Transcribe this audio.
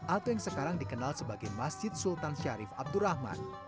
atau yang sekarang dikenal sebagai masjid sultan syarif abdurrahman